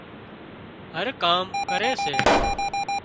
هر ڪام ڪري سي